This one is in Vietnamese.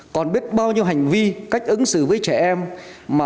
còn biết bao nhiêu hành vi cách ứng xử với trẻ em